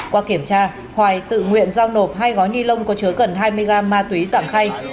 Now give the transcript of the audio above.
qua kiểm tra hoài tự nguyện giao nộp hai gói ni lông có chứa gần hai mươi gram ma túy giảm khay